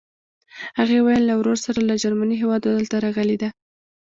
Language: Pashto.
هغې ویل له ورور سره له جرمني هېواده دلته راغلې ده.